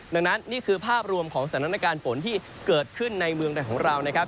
ดังนั้นนี่คือภาพรวมของสถานการณ์ฝนที่เกิดขึ้นในเมืองใดของเรานะครับ